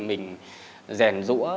mình rèn rũa